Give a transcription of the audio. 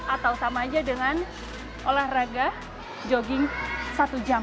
atau sama aja dengan olahraga jogging satu jam